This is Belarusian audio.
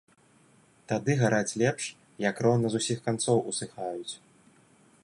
Тады гараць лепш, як роўна з усіх канцоў усыхаюць.